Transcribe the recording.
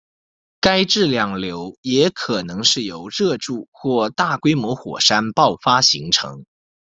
该质量瘤也可能是由热柱或大规模火山爆发形成。